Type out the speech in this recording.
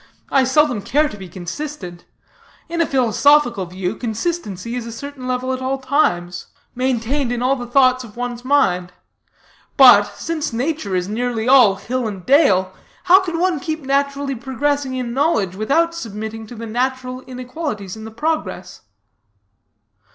I seldom care to be consistent. In a philosophical view, consistency is a certain level at all times, maintained in all the thoughts of one's mind. But, since nature is nearly all hill and dale, how can one keep naturally advancing in knowledge without submitting to the natural inequalities in the progress?